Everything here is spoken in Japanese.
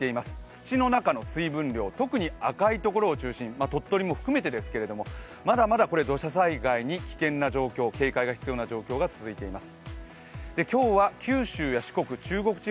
土の中の水分量、特に赤いところを中心に鳥取も含めてですけれども、まだまだ土砂災害に危険な状況、警戒が必要な状況が続いています。